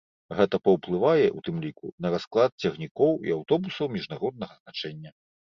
Гэта паўплывае, у тым ліку, на расклад цягнікоў і аўтобусаў міжнароднага значэння.